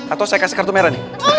atau saya kasih kartu merah nih